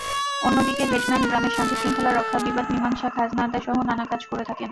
অন্যদিকে হেডম্যান গ্রামের শান্তি-শৃঙ্খলা রক্ষা, বিবাদ-মীমাংসা, খাজনা আদায়সহ নানা কাজ করে থাকেন।